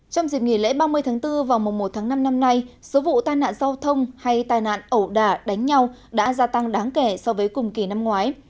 trong dịp nghỉ lễ ba mươi tháng bốn vào mùa một tháng năm năm nay số vụ tai nạn giao thông hay tai nạn ẩu đả đánh nhau đã gia tăng đáng kể so với cùng kỳ năm ngoái